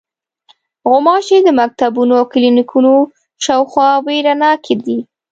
غوماشې د مکتبونو او کلینیکونو شاوخوا وېره ناکې دي.